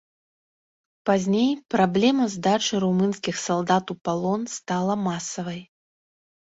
Пазней праблема здачы румынскіх салдат у палон стала масавай.